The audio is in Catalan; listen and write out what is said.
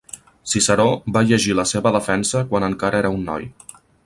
Ciceró va llegir la seva defensa quan encara era un noi.